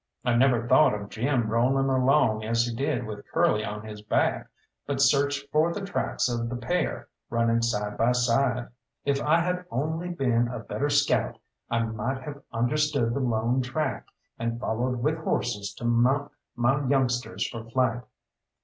I never thought of Jim rolling along as he did with Curly on his back, but searched for the tracks of the pair running side by side. If I had only been a better scout I might have understood the lone track, and followed with horses to mount my youngsters for flight.